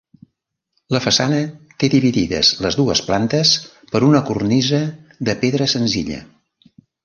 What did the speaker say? La façana té dividides les dues plantes per una cornisa de pedra senzilla.